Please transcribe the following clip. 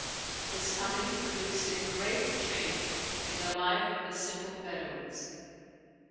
His coming produced a great change in the life of the simple Bedouins.